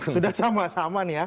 sudah sama sama nih ya